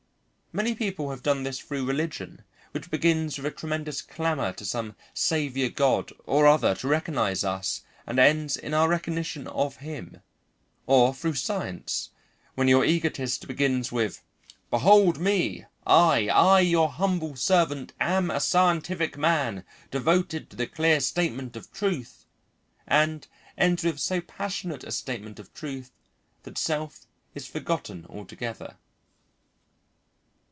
Many people have done this through religion, which begins with a tremendous clamour to some saviour god or other to recognise us and ends in our recognition of him; or through science, when your egotist begins with: "Behold me! I, I your humble servant, am a scientific man, devoted to the clear statement of truth," and ends with so passionate a statement of truth that self is forgotten altogether.